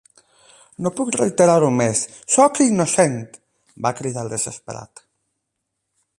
"No puc reiterar-ho més: soc innocent!", va cridar desesperat.